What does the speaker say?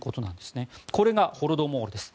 これがホロドモールです。